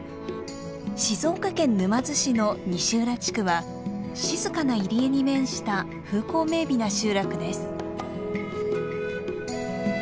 静岡県沼津市の西浦地区は静かな入り江に面した風光明美な集落です。